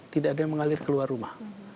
tidak ada yang mengalir keluar rumah